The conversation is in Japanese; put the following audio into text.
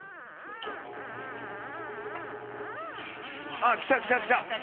あ来た来た来た。